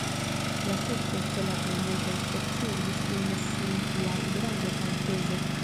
La seksoj ĉe la plej multaj specioj distingas sin laŭ grando kaj pezo.